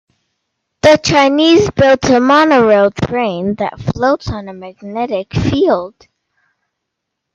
The Chinese built a monorail train that floats on a magnetic field.